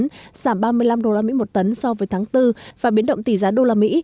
giảm ba mươi năm đô la mỹ một tấn so với tháng bốn và biến động tỷ giá đô la mỹ